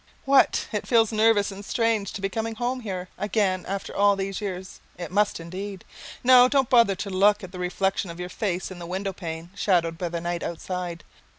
What? it feels nervous and strange to be coming here again after all these years? It must indeed. No, don't bother to look at the reflection of your face in the window pane shadowed by the night outside.